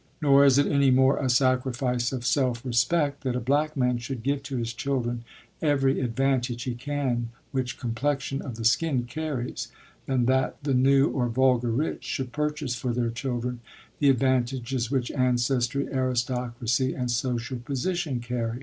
Nor is it any more a sacrifice of self respect that a black man should give to his children every advantage he can which complexion of the skin carries than that the new or vulgar rich should purchase for their children the advantages which ancestry, aristocracy, and social position carry.